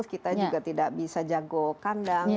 kita juga tidak bisa jago kandang